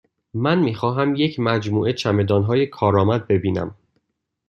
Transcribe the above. من می خواهم یک مجموعه چمدانهای کارآمد ببینم.